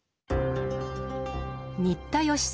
新田義貞